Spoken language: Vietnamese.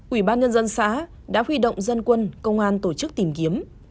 ủy ban nhân dân xã đã huy động dân quân công an tổ chức tìm kiếm